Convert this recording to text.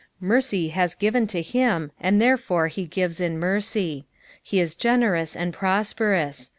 Hercy has givco to him, and therefore he gives in mercy. He is generous and prosperous.